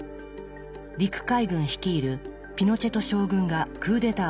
陸海軍率いるピノチェト将軍がクーデターを起こしました。